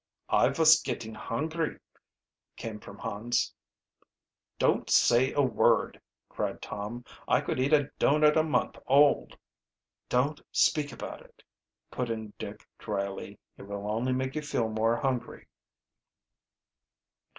"I vos gitting hungry," came from Hans. "Don't say a word!" cried Tom. "I could eat a doughnut a month old." "Don't speak about it," put in Dick dryly. "It will only make you feel more hungry."